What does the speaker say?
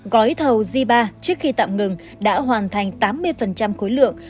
gói thầu g ba trước khi tạm ngừng đã hoàn thành tám mươi khối lượng